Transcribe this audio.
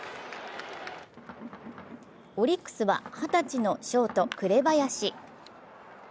オリックスは二十歳のショート・紅林。